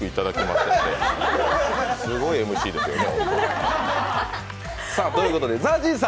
すごいＭＣですよね。